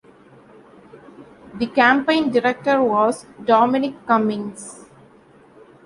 The campaign director was Dominic Cummings.